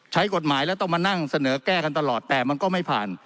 ใช้กฎหมายแล้วต้องมานั่งเสนอแก้กันตลอดแต่มันก็ไม่ผ่าน